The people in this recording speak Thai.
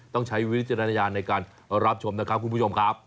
ใช้วิจารณญาณในการรับชมนะครับคุณผู้ชมครับ